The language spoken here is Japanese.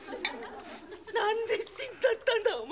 何で死んじゃったんだお前。